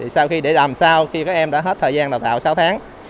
sau khi để làm sao khi các em đã hết thời gian đào tạo sáu tháng